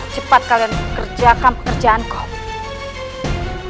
cepat kalian pekerjakan pekerjaan kok